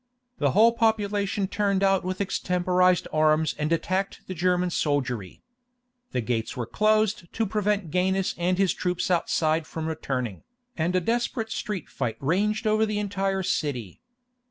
The whole population turned out with extemporized arms and attacked the German soldiery. The gates were closed to prevent Gainas and his troops from outside returning, and a desperate street fight ranged over the entire city.